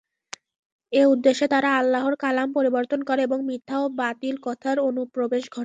এ উদ্দেশ্যে তারা আল্লাহর কালাম পরিবর্তন করে এবং মিথ্যা ও বাতিল কথার অনুপ্রবেশ ঘটায়।